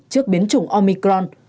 trước biến chủng omicron